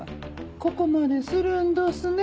ここまでするんどすね。